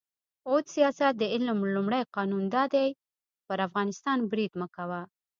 «عد سیاست د علم لومړی قانون دا دی: پر افغانستان برید مه کوه.